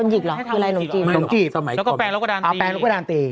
หนมจีบแล้วก็แปลงแล้วก็ด่านตี